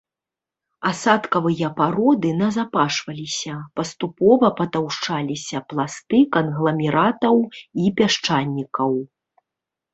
Асадкавыя пароды назапашваліся, паступова патаўшчаліся пласты кангламератаў і пясчанікаў.